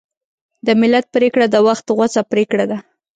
د ملت پرېکړه د وخت غوڅه پرېکړه ده.